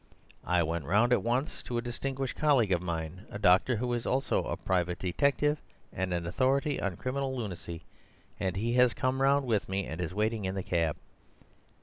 I went round at once to a distinguished colleague of mine, a doctor who is also a private detective and an authority on criminal lunacy; he has come round with me, and is waiting in the cab.